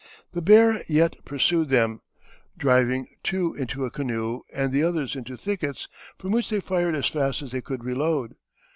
The bear yet pursued them, driving two into a canoe and the others into thickets, from which they fired as fast as they could reload.